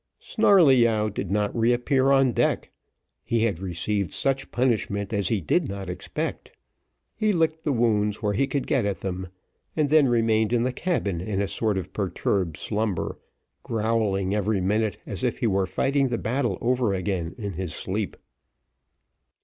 Snarleyyow did not re appear on deck; he had received such punishment as he did not expect. He licked the wounds where he could get at them, and then remained in the cabin in a sort of perturbed slumber, growling every minute as if he were fighting the battle over again in his sleep.